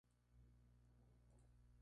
El adulto es polinizador.